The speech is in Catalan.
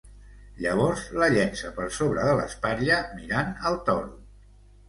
Llavors la llença per sobre de l'espatlla, mirant al toro.